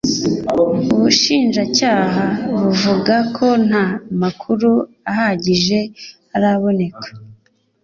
Ubushinjacyaha buvuga ko nta makuru ahagije araboneka